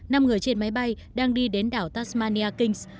năm người trên máy bay đang đi đến đảo tasmania kings